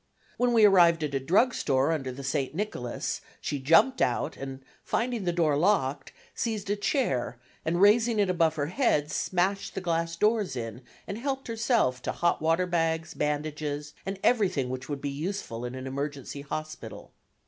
When we arrived at a drug store under the St. Nicholas she jumped out, and, finding the door locked, seized a chair and raising it above her head smashed the glass doors in and helped herself to hot water bags, bandages, and everything which would be useful in an emergency hospital.